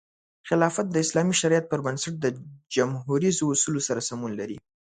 خلافت د اسلامي شریعت پر بنسټ د جموهریزو اصولو سره سمون لري.